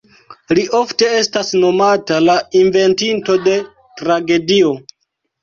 Li ofte estas nomata la ""Inventinto de Tragedio"".